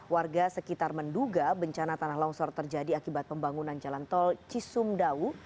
warga sekitar menduga bencana tanah longsor terjadi akibat pembangunan jalan tol cisumdawu